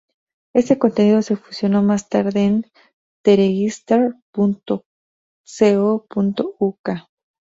Ese contenido se fusionó más tarde en theregister.co.uk.